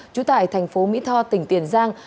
chú tại thành phố mỹ tho tỉnh tiền giang